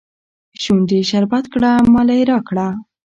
شونډي شربت کړه ماله يې راکړه